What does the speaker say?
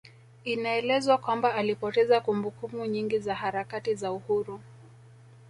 Inaelezwa kwamba alipoteza kumbukumbu nyingi za harakati za Uhuru